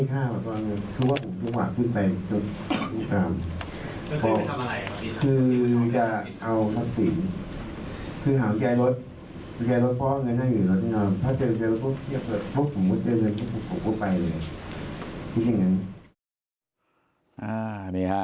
ถ้าเจอแกรถปุ๊บแกรถปุ๊บผมก็เจอแกรถปุ๊บผมก็ไปเลยคิดอย่างนั้น